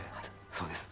そうです。